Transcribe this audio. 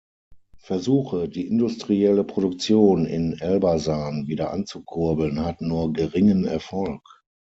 Versuche, die industrielle Produktion in Elbasan wieder anzukurbeln, hatten nur geringen Erfolg.